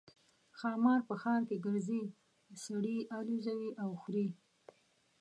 ښامار په ښار کې ګرځي سړي الوزوي او خوري.